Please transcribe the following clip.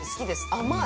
甘い。